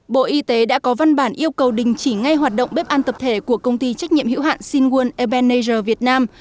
bộ y tế đã có văn bản yêu cầu đình chỉ ngay hoạt động bếp ăn tập thể của công ty trách nhiệm hữu hạn shinwon airben nature việt nam